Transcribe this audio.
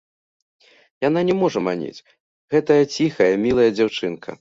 Яна не можа маніць, гэтая ціхая мілая дзяўчынка!